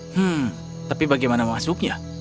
hmm tapi bagaimana masuknya